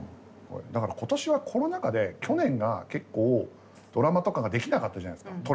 だから今年はコロナ禍で去年が結構ドラマとかができなかったじゃないですか。